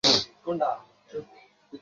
আবারো সামান্য এগিয়ে উত্তর দিকে মোড় নেয়।